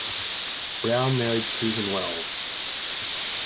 Brown married Susan Wells.